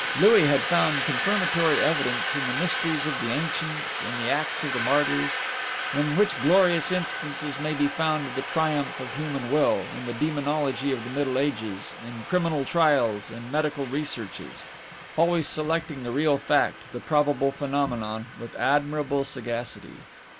Louis had found confirmatory evidence in the mysteries of the ancients, in the acts of the martyrs in which glorious instances may be found of the triumph of human will, in the demonology of the Middle Ages, in criminal trials and medical researches; always selecting the real fact, the probable phenomenon, with admirable sagacity.